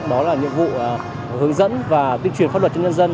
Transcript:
đó là nhiệm vụ hướng dẫn và tuyên truyền pháp luật cho nhân dân